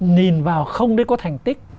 nhìn vào không để có thành tích